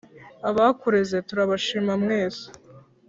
abakureze turabashima mwese